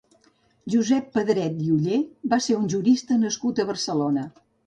Josep Pedret i Oller va ser un jurista nascut a Barcelona.